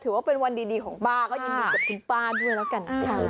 ถือว่าเป็นวันดีของป้าก็ยินดีกับคุณป้าด้วยแล้วกัน